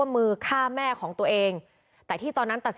แม่ก็ไม่งั้งเกี่ยวข้องด้วย